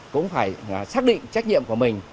cũng phải xác định trách nhiệm của mình